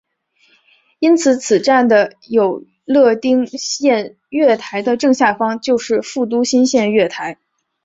因此此站的有乐町线月台的正下方就是副都心线月台。